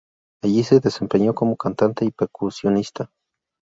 Allí se desempeñó como cantante y percusionista.